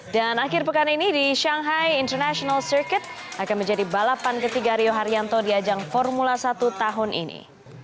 dan akhir pekan ini di shanghai international circuit akan menjadi balapan ketiga rio haryanto di ajang formula satu tahun ini